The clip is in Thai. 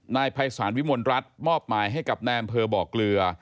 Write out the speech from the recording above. นายภัยสารวิมวลรัฐมอบหมายให้กัปแนมเพลิดบ่อกลือ